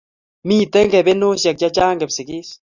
Mito kebenoshek chechang Kipsigis